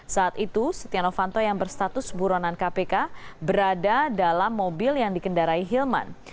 saat itu setia novanto yang berstatus buronan kpk berada dalam mobil yang dikendarai hilman